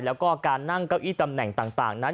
แล้วก็การนั่งเก้าอี้ตำแหน่งต่างนั้น